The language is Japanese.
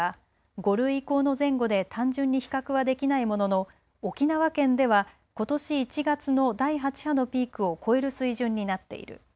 ５類移行の前後で単純に比較はできないものの沖縄県では、ことし１月の第８波のピークを超える水準になっている。